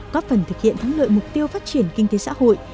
có phần thực hiện thắng lợi mục tiêu phát triển kinh tế xã hội